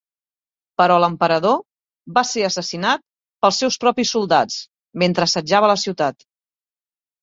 Però l'emperador va ser assassinat pels seus propis soldats mentre assetjava la ciutat.